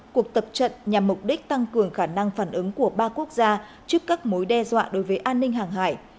cuộc tập trận nhằm mục đích tăng cường khả năng phản ứng của ba quốc gia trước các mối đe dọa đối với an ninh hàng hải